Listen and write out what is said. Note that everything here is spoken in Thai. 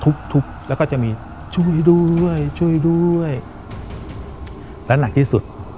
ทุบทุบแล้วก็จะมีช่วยด้วยช่วยด้วยและหนักที่สุด